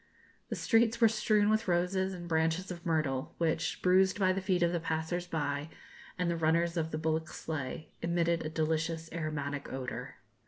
The streets were strewn with roses and branches of myrtle, which, bruised by the feet of the passers by and the runners of the bullock sleigh, emitted a delicious aromatic odour.